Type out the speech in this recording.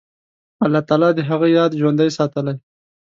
الله تعالی د هغه یاد ژوندی ساتلی.